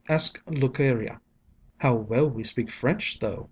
_ Ask Lukerya." "How well we speak French, though!"